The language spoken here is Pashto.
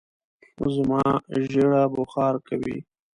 زما ژېره بوخار کوی